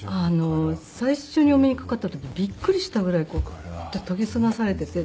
最初にお目にかかった時びっくりしたぐらいクッと研ぎ澄まされていて。